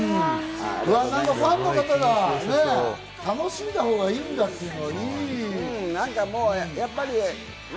ファンの方がね、楽しんだほうがいいんだっていうのはね。